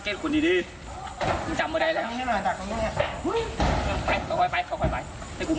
แค่นี้น่ะซูบว่ะหลบมาแหละ